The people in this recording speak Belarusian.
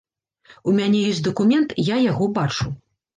У мяне ёсць дакумент, я яго бачу.